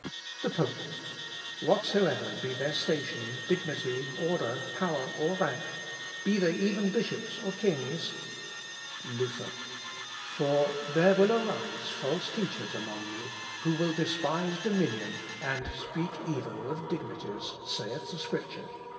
The Pope. "Whatever be their station, dignity, order, power, or rank; be they even bishops or kings...." Luther. "For 'There will arise false teachers among you who will despise dominion and speak evil of dignities,' saith the Scripture.